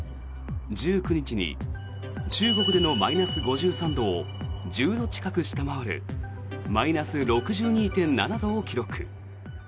１９日に中国でのマイナス５３度を１０度近く下回るマイナス６２．７度を記録。